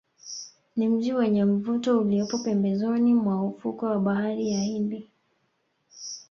Ni mji wenye mvuto uliopo pembezoni mwa ufukwe wa bahari ya Hindi